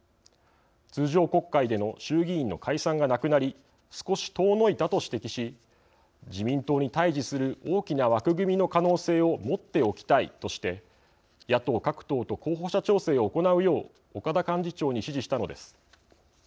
通常国会での衆議院の解散がなくなり少し遠のいたと指摘し自民党に対じする大きな枠組みの可能性を持っておきたいとして野党各党と候補者調整を行うよう岡田幹事長に指示したのです。